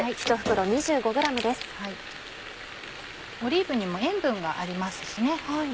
オリーブにも塩分がありますしね。